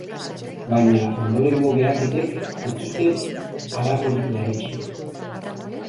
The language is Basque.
Baina, ondorengo behaketek, ez zuten halakorik berretsi.